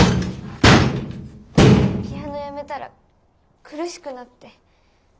ピアノやめたら苦しくなって。